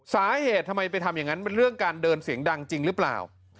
สาเหตุทำไมไปทำอย่างนั้นมันเรื่องการเดินเสียงดังจริงหรือเปล่า